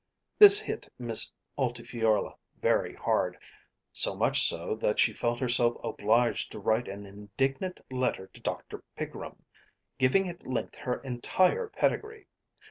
This hit Miss Altifiorla very hard, so much so, that she felt herself obliged to write an indignant letter to Dr. Pigrum, giving at length her entire pedigree.